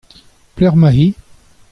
Pelec'h emañ-hi ?